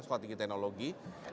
sekolah tinggi teknologi